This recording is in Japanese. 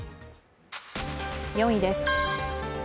４位です。